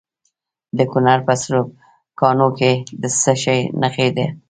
د کونړ په سرکاڼو کې د څه شي نښې دي؟